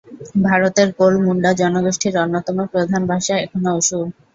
ভারতের কোল-মুন্ডা জনগোষ্ঠীর অন্যতম প্রধান ভাষা এখনও অসুর।